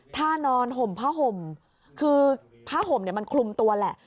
ถ้านอนห่มผ้าห่มคือผ้าห่มมันคลุมตัวแหละ